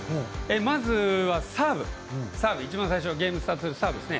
まずはサーブ、一番最初ゲームスタートするサーブですね。